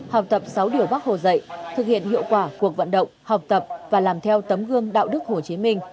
học tập sáu điều bác hồ dạy thực hiện hiệu quả cuộc vận động học tập và làm theo tấm gương đạo đức hồ chí minh